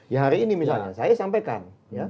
ya hari ini misalnya saya sampaikan